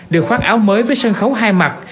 được khoác áo mới với sân khấu hai mặt